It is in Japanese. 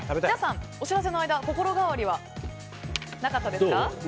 皆さん、お知らせの間心変わりはなかったですか？